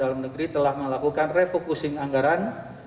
dalam negeri telah melakukan refocusing anggaran dua ribu dua puluh